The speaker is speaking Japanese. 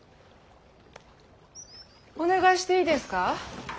お願いしていいですか。